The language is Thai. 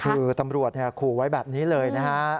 คือตำรวจขู่ไว้แบบนี้เลยนะฮะ